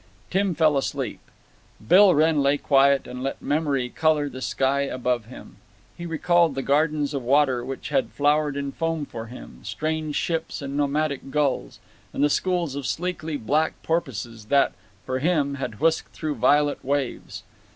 Tim fell asleep. Bill Wrenn lay quiet and let memory color the sky above him. He recalled the gardens of water which had flowered in foam for him, strange ships and nomadic gulls, and the schools of sleekly black porpoises that, for him, had whisked through violet waves.